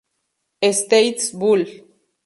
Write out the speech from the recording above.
States; Bull.